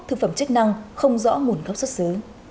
thực phẩm chức năng không rõ nguồn gốc xuất xứ